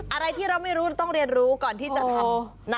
อะไรที่เราไม่รู้ต้องเรียนรู้ก่อนที่จะทำ